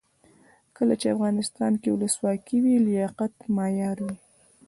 کله چې افغانستان کې ولسواکي وي لیاقت معیار وي.